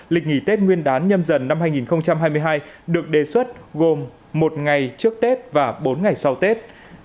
lịch nghỉ tết nguyên đán nhâm dần năm hai nghìn hai mươi hai được đề xuất gồm một ngày trước tết và bốn ngày sau tết